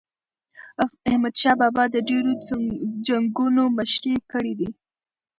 احمد شاه بابا د ډیرو جنګونو مشري کړې ده.